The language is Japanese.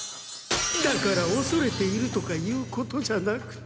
だからおそれているとかいうことじゃなくて。